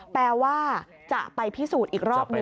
แปลว่าจะไปพิสูจน์อีกรอบหนึ่ง